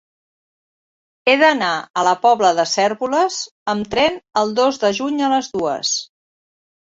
He d'anar a la Pobla de Cérvoles amb tren el dos de juny a les dues.